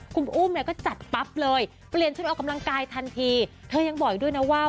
คุณอุ้มเนี่ยก็จัดปั๊บเลยเปลี่ยนชุดออกกำลังกายทันทีเธอยังบอกอีกด้วยนะว่า